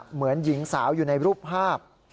เหมือนหญิงสาวอยู่ในรูปภาพ